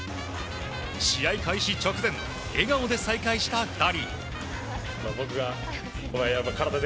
試合開始直前笑顔で再会した２人。